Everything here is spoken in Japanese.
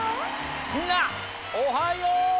みんなおはよう！